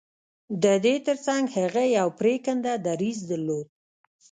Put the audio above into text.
د دې ترڅنګ هغه يو پرېکنده دريځ درلود.